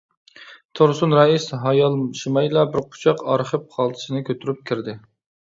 تۇرسۇن رەئىس ھايالشىمايلا بىر قۇچاق ئارخىپ خالتىسىنى كۆتۈرۈپ كىردى.